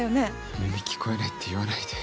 耳聞こえないって言わないで。